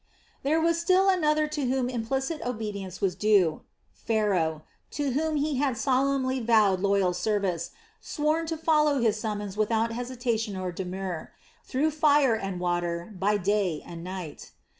There was still another to whom implicit obedience was due, Pharaoh, to whom he had solemnly vowed loyal service, sworn to follow his summons without hesitation or demur, through fire and water, by day and night.